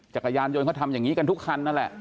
จักรยานยนต์เขาทำอย่างนี้กันทุกคันนั่นแหละ